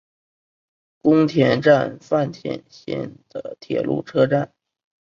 宫田站饭田线的铁路车站。